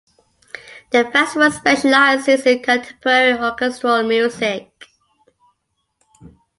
The festival specializes in contemporary orchestral music.